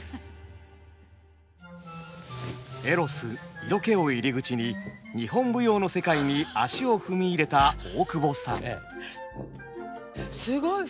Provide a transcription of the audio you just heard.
エロス色気を入り口に日本舞踊の世界に足を踏み入れた大久保さん。